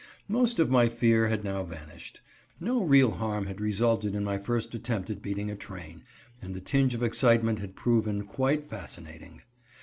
Most of my fear had now vanished. No real harm had resulted in my first attempt at beating a train, and the tinge of excitement had proven quite fascinating.